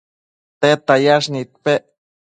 tedtsiyash nidpec